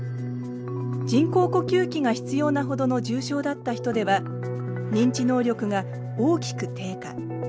人工呼吸器が必要なほどの重症だった人では認知能力が大きく低下。